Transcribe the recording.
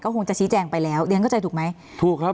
คงจะชี้แจงไปแล้วเรียนเข้าใจถูกไหมถูกครับ